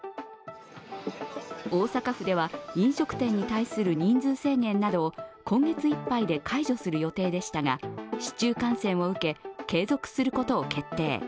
大阪府では、飲食店に対する人数制限などを今月いっぱいで解除する予定でしたが、市中感染を受け継続することを決定。